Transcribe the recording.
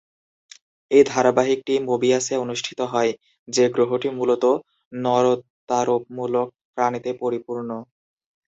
এই ধারাবাহিকটি মোবিয়াসে অনুষ্ঠিত হয়, যে-গ্রহটি মূলত নরত্বারোপমূলক প্রাণীতে পরিপূর্ণ।